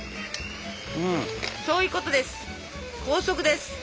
そういうことです。